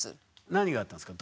何があったんですか？